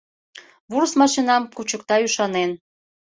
Вурс машинам кучыкта ӱшанен.